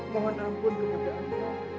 mohon ampun keadaanmu